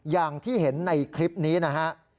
อย่างที่เห็นในคลิปนี้นะฮะ